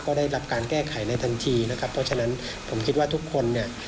ก็ได้รับการแก้ไขในทันทีนะครับเพราะฉะนั้นผมคิดว่าทุกคนเนี่ย